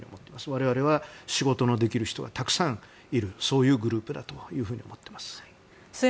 我々は、仕事のできる人がたくさんいるグループだと思っております。